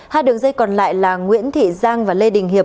hai đường dây còn lại là nguyễn thị giang và lê đình hiệp